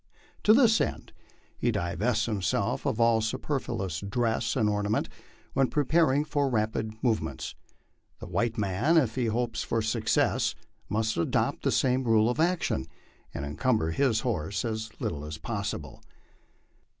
To this end he divests himself of all superfluous dress and ornament when preparing for rapid movements. The white man, if lie hopes for success, must adopt the same rule of action, and encumber his horse as little as possible.